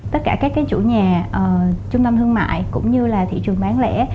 tất cả các chủ nhà trung tâm thương mại cũng như là thị trường bán lẻ